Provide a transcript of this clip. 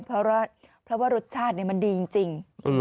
เพราะว่ารสชาติมันดีจริง